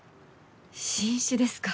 新種ですか？